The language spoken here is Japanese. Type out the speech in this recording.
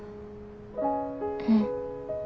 うん。